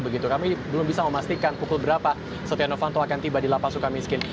begitu kami belum bisa memastikan pukul berapa setia novanto akan tiba di lp sukamiskin